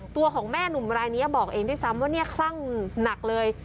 ตัวของแม่หนุ่มรายนี้บอกเองด้วยซ้ำว่าเนี่ยคลั่งหนักเลย